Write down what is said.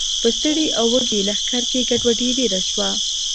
په ستړي او وږي لښکر کې ګډوډي ډېره شوه.